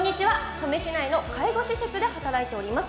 登米市内の介護施設で働いています。